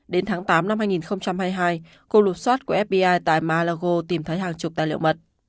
đến tháng tám năm hai nghìn hai mươi hai cuộc lụt soát của fbi tại malago tìm thấy hàng chục tài liệu mật